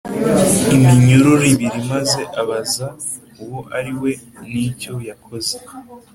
Iminyururu O Ibiri Maze Abaza Uwo Ari We N Icyo Yakoze